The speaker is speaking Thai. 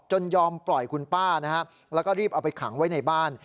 ยอมปล่อยคุณป้านะฮะแล้วก็รีบเอาไปขังไว้ในบ้าน